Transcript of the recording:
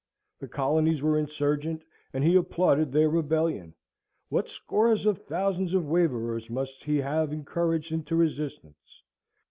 The colonies were insurgent, and he applauded their rebellion. What scores of thousands of waverers must he have encouraged into resistance!